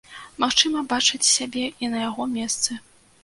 Магчыма, бачаць сябе і на яго месцы.